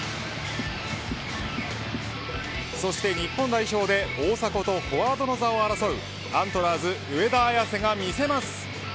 そして日本代表で大迫とフォワードの座を争うアントラーズ上田綺世が見せます。